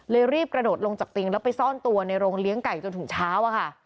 รีบกระโดดลงจากติงแล้วไปซ่อนตัวในโรงเลี้ยงไก่จนถึงเช้าอะค่ะ